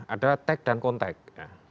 adalah tag dan konteks